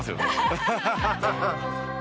ハハハハハ！